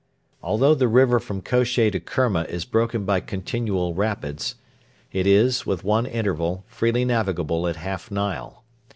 Although the river from Kosheh to Kerma is broken by continual rapids, it is, with one interval, freely navigable at half Nile.